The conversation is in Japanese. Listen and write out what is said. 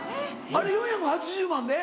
あれ４８０万で？